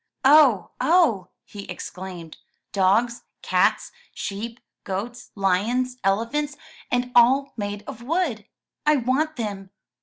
"Oh! oh!" he exclaimed, "dogs, cats, sheep, goats, lions, elephants, and all made of wood! I want them."